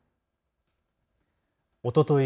おととい